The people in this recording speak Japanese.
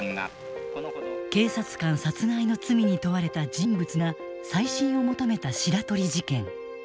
警察官殺害の罪に問われた人物が再審を求めた白鳥事件。